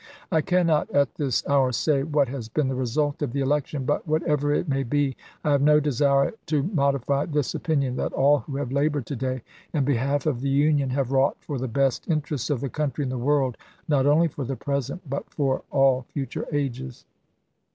I cannot at this hour say what has been the result of the election. But, whatever it maybe, I have no desire to modify this opinion, that all who have labored to day in behalf of the Union have wrought for the best in terests of the country and the world, not only for the present, but for all future ages.